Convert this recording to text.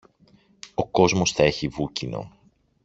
Ο κόσμος τα έχει βούκινο.